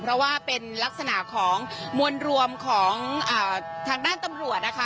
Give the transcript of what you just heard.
เพราะว่าเป็นลักษณะของมวลรวมของทางด้านตำรวจนะคะ